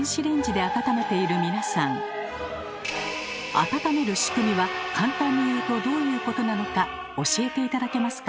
温めるしくみは簡単に言うとどういうことなのか教えて頂けますか？